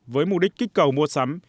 với mục đích kích cầu mua sắm